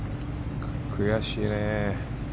悔しいね。